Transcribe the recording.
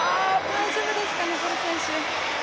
大丈夫ですかね、ボル選手。